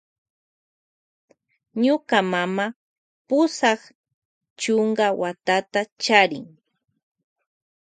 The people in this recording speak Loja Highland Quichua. Ñuka mama charin pusak chuka watata.